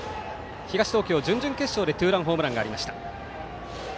東東京準々決勝でツーランホームランがありました。